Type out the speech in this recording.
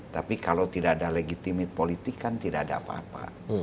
tapi kalau tidak ada legitimit politik kan tidak ada apa apa